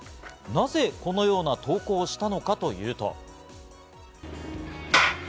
なぜこのような投稿をしたのかというと。